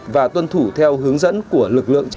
và tuân thủ theo hướng dẫn của lực lượng